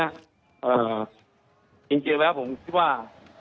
เอ่อจริงจริงแว้วผมคิดว่า